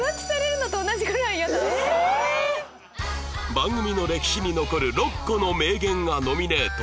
番組の歴史に残る６個の名言がノミネート